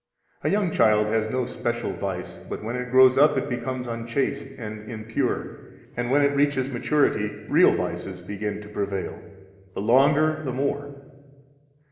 A young child has no special vice; but when it grows up, it becomes unchaste and impure, and when it reaches maturity, real vices begin to prevail the longer, the more.